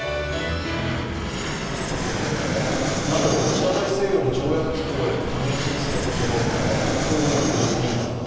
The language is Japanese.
ＮＡＴＯ＝北大西洋条約機構への加盟申請を昨日行った北欧の国、フィンランド。